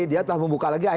dia telah membuka lagi